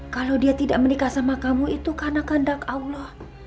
kalau dia tidak menikah sama kamu itu kanak kandak allah